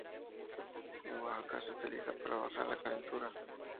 En Oaxaca, se utiliza para bajar la calentura.